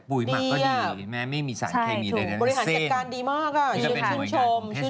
ปุ๋ยหมักก็ดีแม้ไม่มีสารเคมีใด